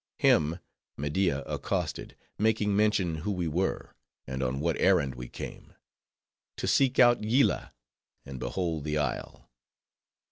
Him, Media accosted, making mention who we were, and on what errand we came: to seek out Yillah, and behold the isle.